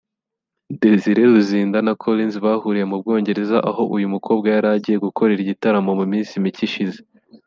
Desire Luzinda na Collins bahuriye mu Bwongereza aho uyu mukobwa yari yagiye gukorera igitaramo mu minsi mike ishize